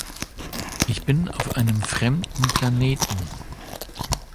Ich bin auf einem fremden Planeten.